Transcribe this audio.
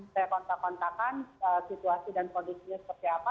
saya kontak kontakkan situasi dan kondisinya seperti apa